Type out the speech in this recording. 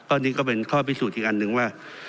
อันนี้ก็เป็นข้อพิสูจน์อีกอันหนึ่งว่า